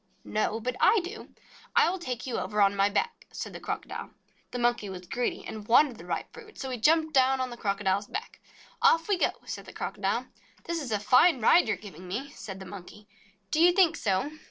"No but I do. I will take you over on my back," said the Crocodile. The Monkey was greedy, and wanted the ripe fruit, so he jumped down on the Crocodile's back. "Off we go !" said the Crocodile. "This is a fine ride you are giving me!" said the Monkey. "Do you think so?